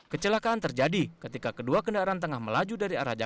kecelakaan terjadi ketika kedua kendaraan tengah melaju dari arah jakarta